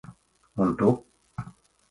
Un tu?